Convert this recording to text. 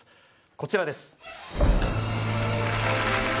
こちらです